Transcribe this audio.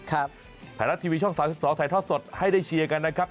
ไทยรัฐทีวีช่อง๓๒ถ่ายทอดสดให้ได้เชียร์กันนะครับ